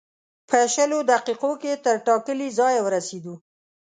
په شلو دقیقو کې تر ټاکلي ځایه ورسېدو.